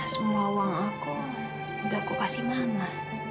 semua uang aku udah aku kasih nama